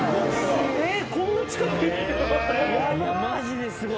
マジですごい。